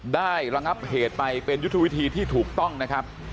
ระงับเหตุไปเป็นยุทธวิธีที่ถูกต้องนะครับ